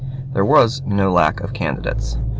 There was no lack of candidates.